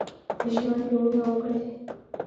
ژوند په مينه وکړئ.